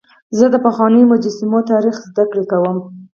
زه د پخوانیو مجسمو تاریخ زدهکړه کوم.